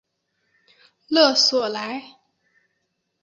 勒索莱。